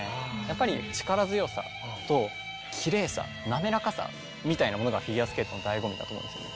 やっぱり力強さときれいさなめらかさみたいなものがフィギュアスケートのだいご味だと思うんですよね。